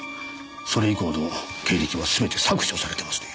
それ以降の経歴はすべて削除されてますね。